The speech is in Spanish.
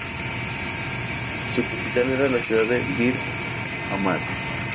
Su capital era la ciudad de Bir Ahmad.